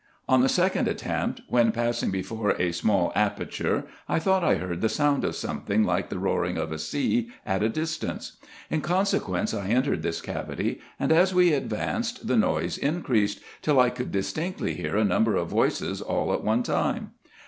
On the second attempt, when passing before a small aperture, I thought I heard the sound of something like the roaring of the sea at a distance. In consequence I entered this cavity; and as we advanced the noise increased, till I could distinctly hear a number of voices all at one time.